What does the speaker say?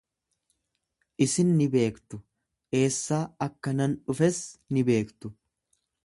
Isin na beektu, eessaa akka nan dhufes ni beektu.